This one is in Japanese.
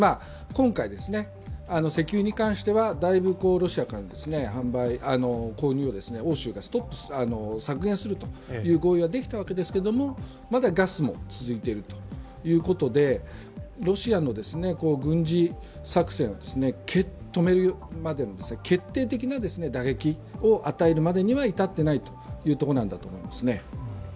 今回、石油に関してはだいぶロシアから購入を欧州がストップ、削減するという合意はできたわけですがまだガスも続いているということで、ロシアの軍事作戦を止めるまでの決定的な打撃を与えるまでには至っていないというところなんだと思います。